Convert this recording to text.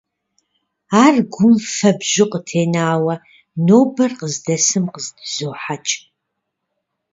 Ар гум фэбжьу къытенауэ нобэр къыздэсым къыздызохьэкӀ.